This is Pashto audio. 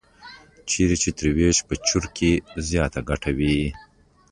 چېرته چې تر وېش په تالان کې زیاته ګټه وي.